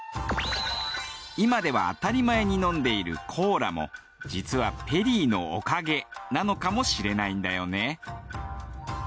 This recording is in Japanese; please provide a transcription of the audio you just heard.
今では当たり前に飲んでいるコーラも実はペリーのおかげなのかもしれないんだよね。